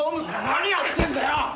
何やってんだよ！